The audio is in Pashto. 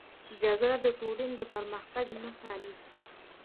جګړه د ټولني د پرمختګ مخه نيسي.